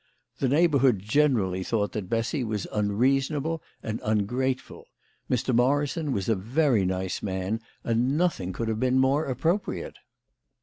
The neighbourhood generally thought that Bessy was unreasonable and ungrateful. Mr. Morrison was a very nice man, and nothing could have been more appropriate.